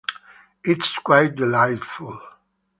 It’s quite delightful.